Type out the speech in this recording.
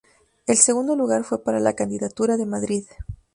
El segundo lugar fue para la candidatura de Madrid.